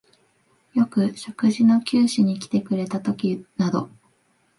よく食事の給仕にきてくれたときなど、